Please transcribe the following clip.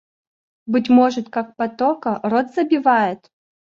Быть может, как патока, рот забивает?